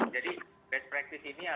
jadi best practice ini adalah ruang untuk